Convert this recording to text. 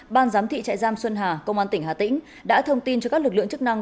ban giám thị trại giam xuân hà công an tỉnh hà tĩnh đã thông tin cho các lực lượng chức năng